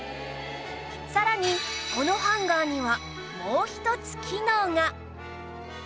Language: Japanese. さらにこのハンガーにはもう一つ機能が